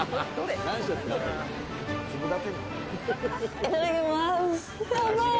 いただきます。